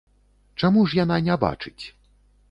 Чаму ж яна не бачыць?